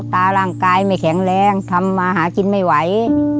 ร่างกายไม่แข็งแรงทำมาหากินไม่ไหว